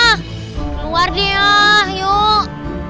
keluar dia yuk